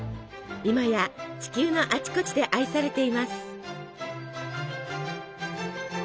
今や地球のあちこちで愛されています。